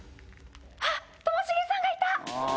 あっともしげさんがいた！